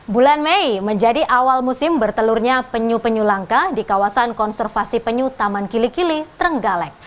bulan mei menjadi awal musim bertelurnya penyu penyu langka di kawasan konservasi penyu taman kili kili trenggalek